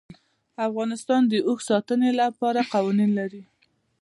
افغانستان د اوښ د ساتنې لپاره قوانین لري.